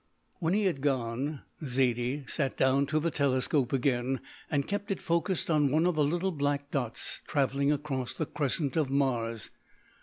When he had gone, Zaidie sat down to the telescope again and kept it focussed on one of the little black spots travelling across the crescent of Mars.